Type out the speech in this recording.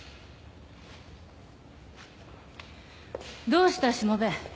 どうしたしもべ。